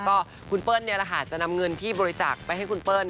ก็คุณเปิ้ลจะนำเงินที่บริจาคไปให้คุณเปิ้ล